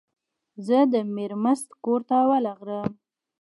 زه د میرمست کور ته ورغلم.